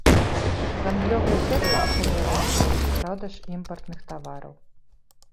Гандлёвыя сеткі пачалі абмяжоўваць продаж імпартных тавараў.